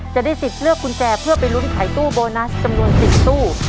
จะได้สิทธิ์เลือกกุญแจเพื่อไปลุ้นขายตู้โบนัสจำนวน๔ตู้